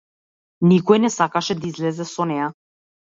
Никој не сакаше да излезе со неа.